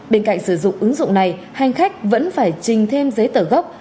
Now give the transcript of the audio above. bên cạnh sử dụng ứng dụng này hành khách vẫn phải trình thêm giấy tờ gốc